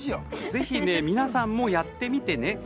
ぜひ皆さんもやってみてね。